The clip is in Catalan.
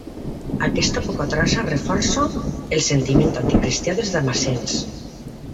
Aquesta poca traça reforça el sentiment anticristià dels damascens.